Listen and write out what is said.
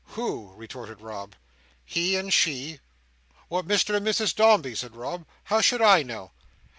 "Who?" retorted Rob. "He and she?" "What, Mr and Mrs Dombey?" said Rob. "How should I know!"